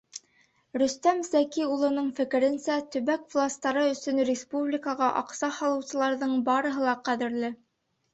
Рөстәм Зәки улының фекеренсә, төбәк властары өсөн республикаға аҡса һалыусыларҙың барыһы ла ҡәҙерле.